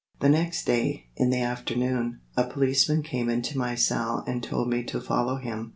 The next day, in the afternoon, a policeman came into my cell and told me to follow him.